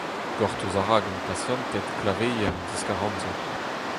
Gortoz a ra gant pasianted glaveier an diskar-amzer.